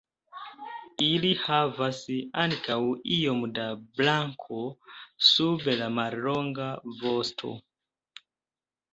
Ili havas ankaŭ iom da blanko sub la mallonga vosto.